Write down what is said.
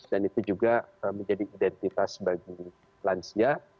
dan itu juga menjadi identitas bagi lansia